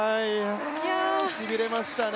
いや、しびれましたね